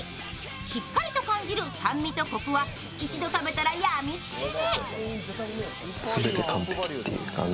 しっかりと感じる酸味とこくは一度食べたらやみつきに。